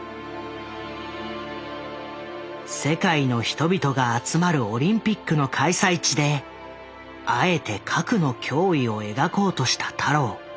世界の人々が集まるオリンピックの開催地であえて核の脅威を描こうとした太郎。